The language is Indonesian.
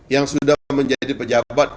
yang sudah menjadi pejabat